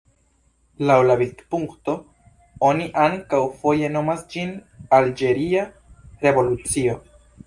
Laŭ la vidpunkto, oni ankaŭ foje nomas ĝin "alĝeria revolucio".